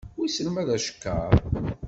Wissen ma d acekkeṛ?